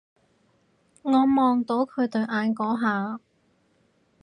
我望到佢對眼嗰下